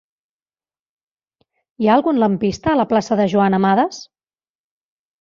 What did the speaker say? Hi ha algun lampista a la plaça de Joan Amades?